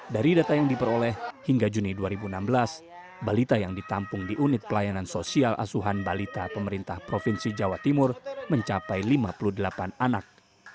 dari data yang diperoleh hingga juni dua ribu enam belas balita yang ditampung di unit pelayanan sosial asuhan balita pemerintah provinsi jawa timur mencapai lima puluh delapan anak